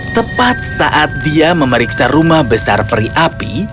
tepat saat dia memeriksa rumah besar peri api